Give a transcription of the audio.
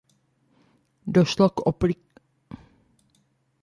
Došlo k obklíčení cizinecké čtvrti a zavraždění německého vyslance.